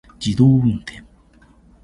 自動運転